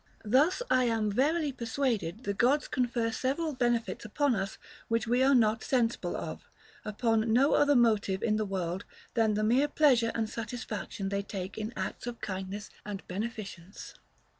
Thus I am verily persuaded the Gods confer several benefits upon us which we are not sensible of, upon no other motive in the world than the mere pleasure and sat isfaction they take in acts of kindness and beneficence.